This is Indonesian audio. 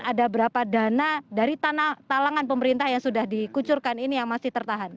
ada berapa dana dari talangan pemerintah yang sudah dikucurkan ini yang masih tertahan